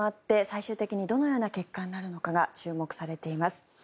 最終的にどのような結果になるのかが注目されています。